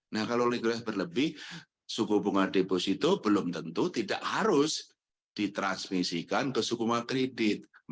nah kalau likuid berlebih suku bunga deposito belum tentu tidak harus ditransmisikan ke suku bunga kredit